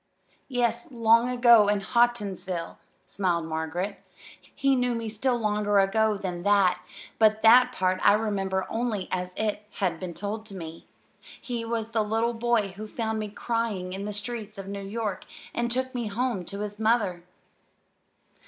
"Yes, long ago in Houghtonsville," smiled Margaret. "He knew me still longer ago than that, but that part I remember only as it has been told to me. He was the little boy who found me crying in the streets of New York, and took me home to his mother."